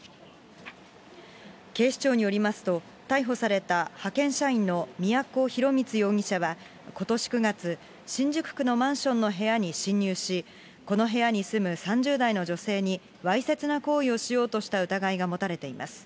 警視庁によりますと、逮捕された派遣社員の都広光容疑者は、ことし９月、新宿区のマンションの部屋に侵入し、この部屋に住む３０代の女性に、わいせつな行為をしようとした疑いが持たれています。